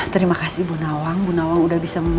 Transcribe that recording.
terima kasih bu nawang bu nawang udah bisa memahami saya